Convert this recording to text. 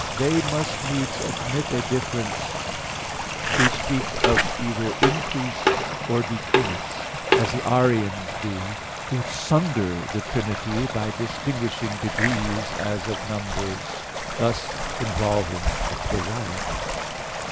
i): "They must needs admit a difference [namely, of Godhead] who speak of either increase or decrease, as the Arians do, who sunder the Trinity by distinguishing degrees as of numbers, thus involving a plurality."